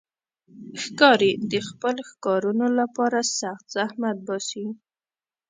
ښکاري د خپلو ښکارونو لپاره سخت زحمت باسي.